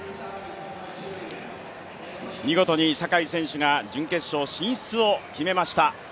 見事に坂井選手が準決勝進出を決めました。